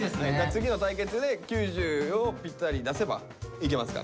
次の対決で９０をぴったり出せばいけますから。